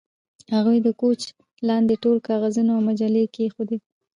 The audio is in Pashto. هغې د کوچ لاندې ټول کاغذونه او مجلې کیښودې